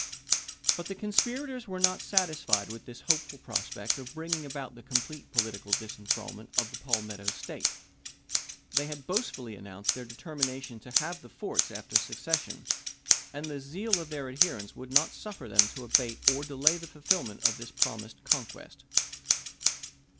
But the conspirators were not satisfied with this hopeful prospect of bringing about the complete political disenthralment of the Palmetto State. They had boastfully announced their determination to have the forts after secession, and the zeal of their adherents would not suffer them to abate or delay the fulfillment of this promised conquest.